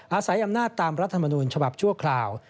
อาศัยอำนาจตามรัฐมนูญฉบับชั่วคราว